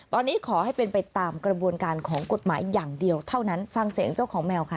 ตอนนี้ขอให้เป็นไปตามกระบวนการของกฎหมายอย่างเดียวเท่านั้นฟังเสียงเจ้าของแมวค่ะ